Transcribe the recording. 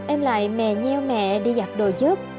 em lại mè nheo mẹ đi giặt đồ giúp